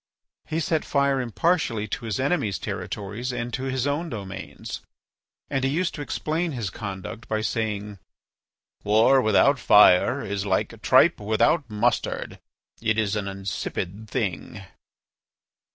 He set fire impartially to his enemies' territory and to his own domains. And he used to explain his conduct by saying: "War without fire is like tripe without mustard: it is an insipid thing."